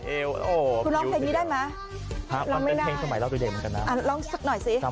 ๕๐๐๐เอวโอ้อากาลไปเยอะกันแล้วคุณร้องเพลงนี้ได้มั้ย